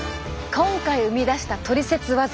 今回生み出したトリセツワザ！